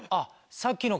さっきの方。